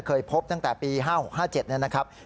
เคยพบตั้งแต่ปี๕๖๕๗นะครับ